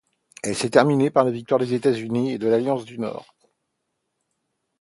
Elle s'est terminé par la victoire des États-Unis et de l'Alliance du Nord.